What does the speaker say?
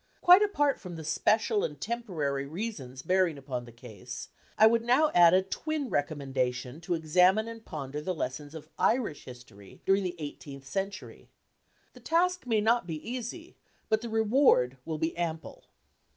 Quite apart from the special and temporary reasons bearing upon the case, I would now add a twin recommendation to examine and ponder the lessons of Irish history during the eighteenth century. The task may not be easy, but the reward will be ample.